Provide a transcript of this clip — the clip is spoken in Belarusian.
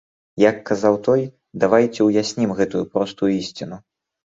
Як казаў той, давайце ўяснім гэтую простую ісціну.